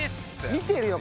見てるよ